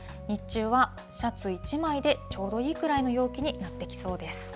日中はシャツ１枚でちょうどいいぐらいの陽気になってきそうです。